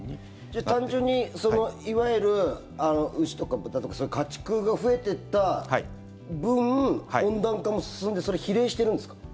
じゃあ、単純にいわゆる牛とか豚とかそういう家畜が増えてった分温暖化も進んでそれは比例しているんですか？